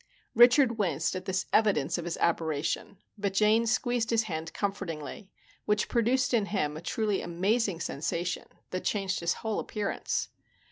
Richard winced at this evidence of his aberration, but Jane squeezed his hand comfortingly, which produced in him a truly amazing sensation that changed his whole appearance.